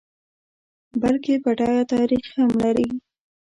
بلکه بډایه تاریخ هم لري.